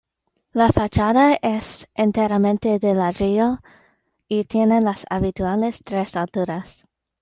La fachada es enteramente de ladrillo y tiene las habituales tres alturas.